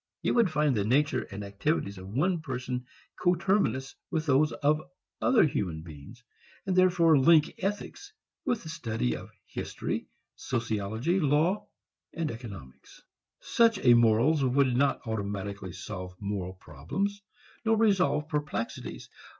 It would find the nature and activities of one person coterminous with those of other human beings, and therefore link ethics with the study of history, sociology, law and economics. Such a morals would not automatically solve moral problems, nor resolve perplexities.